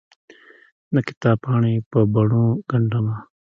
دکتاب پاڼې په بڼو ګنډ مه